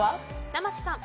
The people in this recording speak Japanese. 生瀬さん。